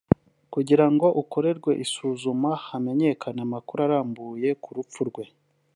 kugira ngo ukorerwe isuzuma hamenyekane amakuru arambuye ku rupfu rwe